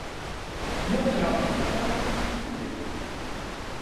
Ён граў на гітары і трубе.